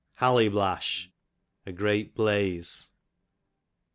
Halliblash, a great blaxe.